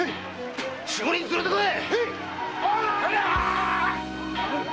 四五人連れてこい！